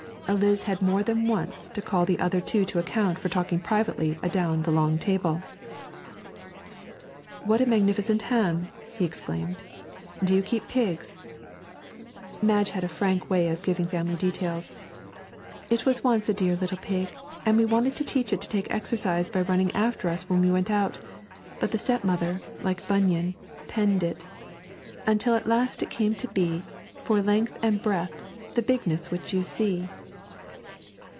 Eliz had more than once to call the other two to account for talking privately adown the long table. 'What a magnificent ham!' he exclaimed. 'Do you keep pigs?' Madge had a frank way of giving family details. 'It was once a dear little pig, and we wanted to teach it to take exercise by running after us when we went out, but the stepmother, like Bunyan, "penned it" '"Until at last it came to be, For length and breadth, the bigness which you see."'